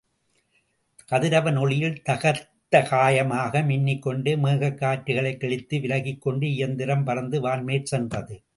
கதிரவன் ஒளியில் தகத்தகாயமாக மின்னிக்கொண்டே மேகக் கற்றைகளைக் கிழித்து விலகிக்கொண்டு இயந்திரம் பறந்து வான்மேற் சென்றது.